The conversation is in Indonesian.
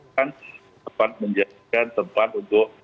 tempat menjadikan tempat untuk